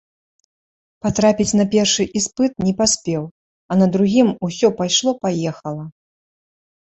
Патрапіць на першы іспыт не паспеў, а на другім усё пайшло-паехала.